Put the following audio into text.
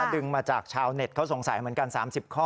ดึงมาจากชาวเน็ตเขาสงสัยเหมือนกัน๓๐ข้อ